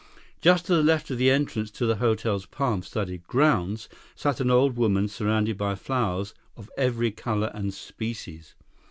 Just to the left of the entrance to the hotel's palm studded grounds, sat an old woman surrounded by flowers of every color and species.